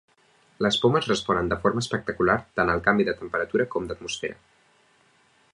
Les pomes responen de forma espectacular tant al canvi de temperatura com d'atmosfera.